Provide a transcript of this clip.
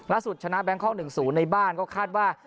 ล่าสุดชนะแบงค์คล้องหนึ่งสูงในบ้านก็คาดว่า